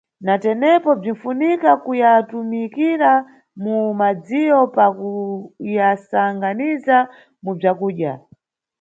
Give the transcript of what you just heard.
Na tenepo bzinifunika kuyatumikira mu madziyo pa kuyasanganiza mu bzakudya.